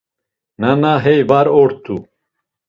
Nana hey var ort̆u.